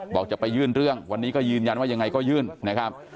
บอกจะไปยื่นเรื่องวันนี้ก็ยืนยันว่ายังไงก็ยื่นนะครับ